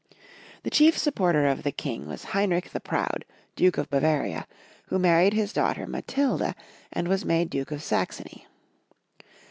The chief supporter of the King was Hein rich the Proud, Duke of Bavaria, who married his daughter Matilda, and was made Duke of Saxony.